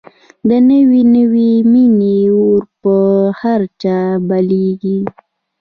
د نوې نوې مینې اور به په هر چا بلېږي